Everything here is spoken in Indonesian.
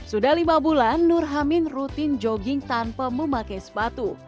sudah lima bulan nurhamin rutin jogging tanpa memakai sepatu